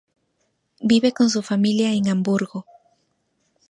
Vive con su familia en Hamburgo.